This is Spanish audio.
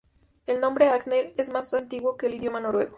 El nombre Agder es más antiguo que el idioma noruego.